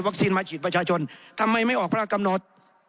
มาฉีดประชาชนทำไมไม่ออกพระราชกำหนด